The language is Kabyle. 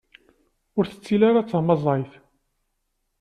Ur ttili ara d tamaẓayt.